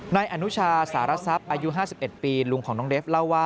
นายอนุชาสารทรัพย์อายุ๕๑ปีลุงของน้องเดฟเล่าว่า